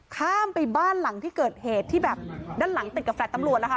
ข้ามไปบ้านหลังที่เกิดเหตุที่แบบด้านหลังติดกับแลต์ตำรวจล่ะค่ะ